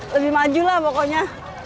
lebih maju lah pokoknya